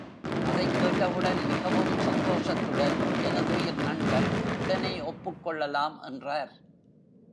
அதைக் கேட்டவுடன் மிகவும் சந்தோஷத்துடன் எனதுயிர் நண்பர் உடனே ஒப்புக்கொள்ளலாம் என்றார்.